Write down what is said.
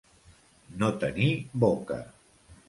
No tenir boca.